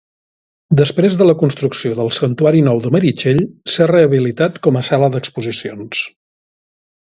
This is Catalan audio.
Després de la construcció del santuari nou de Meritxell, s'ha rehabilitat com a sala d'exposicions.